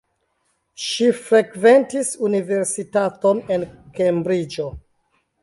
Ŝi frekventis universitaton en Kembriĝo.